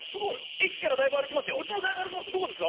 駅からだいぶ歩きますよ。